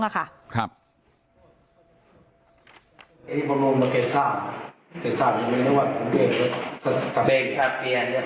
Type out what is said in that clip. เขาเรียกคุ้นไม่เหล่าอย่างนั้น